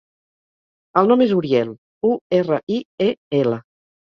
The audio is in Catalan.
El nom és Uriel: u, erra, i, e, ela.